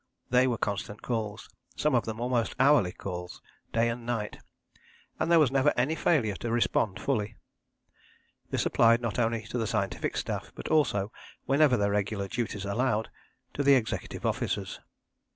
They were constant calls some of them almost hourly calls, day and night and there was never any failure to respond fully. This applied not only to the scientific staff but also, whenever their regular duties allowed, to the executive officers.